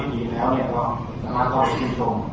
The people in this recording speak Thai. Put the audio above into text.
ต้องรับศาสนย่อนเกิน